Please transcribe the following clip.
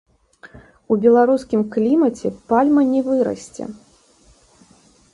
У беларускім клімаце пальма не вырасце.